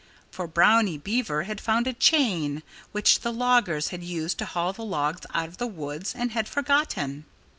For Brownie Beaver had found a chain, which the loggers had used to haul the logs out of the woods, and had forgotten.